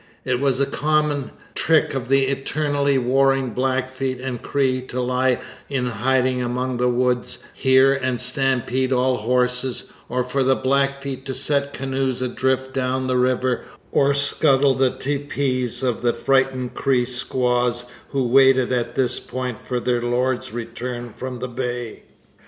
It was a common trick of the eternally warring Blackfeet and Cree to lie in hiding among the woods here and stampede all horses, or for the Blackfeet to set canoes adrift down the river or scuttle the teepees of the frightened Cree squaws who waited at this point for their lords' return from the Bay.